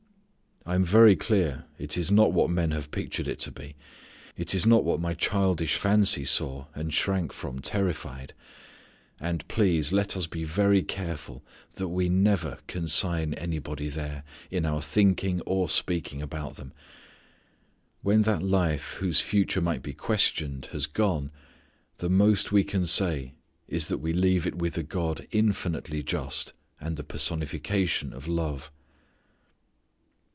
I am very clear it is not what men have pictured it to be. It is not what my childish fancy saw and shrank from terrified. And, please let us be very careful that we never consign anybody there, in our thinking or speaking about them. When that life whose future might be questioned has gone the most we can say is that we leave it with a God infinitely just and the personification of love.